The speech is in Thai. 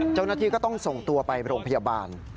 เจ้าหน้าที่ก็ต้องส่งตัวไปโรงพยาบาล